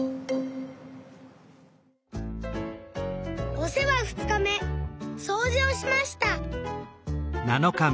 「おせわ２日目そうじをしました」。